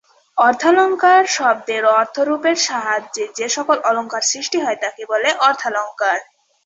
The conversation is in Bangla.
অর্থালঙ্কার শব্দের অর্থরূপের সাহায্যে যে-সকল অলঙ্কার সৃষ্টি হয় তাকে বলে অর্থালঙ্কার।